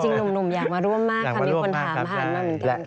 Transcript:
จริงหนุ่มอยากมาร่วมมากไม่มีคนถามพาดมาเหมือนกัน